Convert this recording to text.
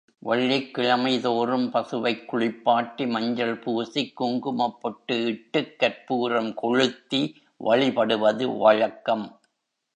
வெள்ளிக்கிழமை தோறும் பசுவைக் குளிப்பாட்டி மஞ்சள் பூசிக் குங்குமப் பொட்டு இட்டுக் கர்ப்பூரம் கொளுத்தி வழிபடுவது வழக்கம்.